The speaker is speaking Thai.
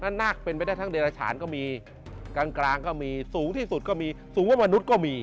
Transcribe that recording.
นาคเป็นไปได้ทั้งเดรฐานก็มีกลางก็มีสูงที่สุดก็มีสูงกว่ามนุษย์ก็มี